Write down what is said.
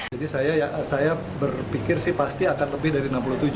jadi saya berpikir sih pasti akan lebih dari enam puluh tujuh